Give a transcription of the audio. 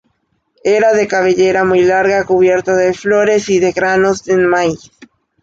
Era de cabellera muy larga, cubierta de flores y de granos de maíz.